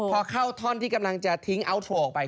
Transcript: พอเข้าท่อนที่กำลังจะทิ้งอัลโทรออกไป